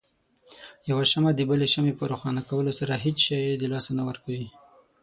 يوه شمعه دبلې شمعې په روښانه کولو سره هيڅ شی د لاسه نه ورکوي.